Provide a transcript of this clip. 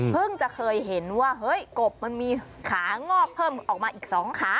จะเคยเห็นว่าเฮ้ยกบมันมีขางอกเพิ่มออกมาอีก๒ขา